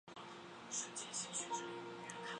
这是中国首次举行冬季大学生运动会。